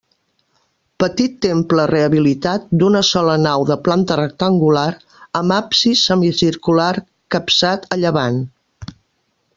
Petit temple rehabilitat d'una sola nau de planta rectangular, amb absis semicircular capçat a llevant.